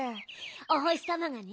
おほしさまがね